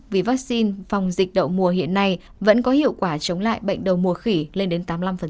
vì vaccine phòng dịch đậu mùa hiện nay vẫn có hiệu quả chống lại bệnh đầu mùa khỉ lên đến tám mươi năm